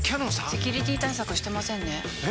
セキュリティ対策してませんねえ！